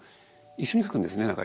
一緒に描くんですか？